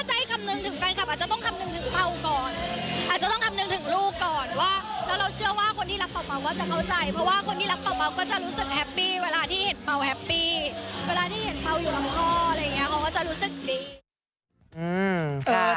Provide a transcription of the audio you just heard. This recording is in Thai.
ใจคำนึงถึงแฟนคลับอาจจะต้องคำนึงถึงเปล่าก่อนอาจจะต้องคำนึงถึงลูกก่อนว่าแล้วเราเชื่อว่าคนที่รักเป่าก็จะเข้าใจเพราะว่าคนที่รักเปล่าก็จะรู้สึกแฮปปี้เวลาที่เห็นเปล่าแฮปปี้เวลาที่เห็นเปล่าอยู่กับพ่ออะไรอย่างเงี้เขาก็จะรู้สึกดี